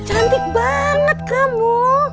cantik banget kamu